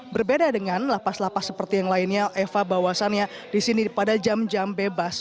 berbeda dengan lapas lapas seperti yang lainnya eva bawasannya disini pada jam jam bebas